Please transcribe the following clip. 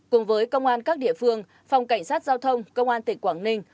cùng với công an các địa phương phòng cảnh sát giao thông công an tỉnh quảng ninh